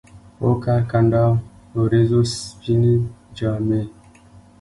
اوکر کنډو ، وریځو سپيني جامې